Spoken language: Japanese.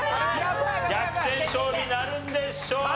逆転勝利なるんでしょうか？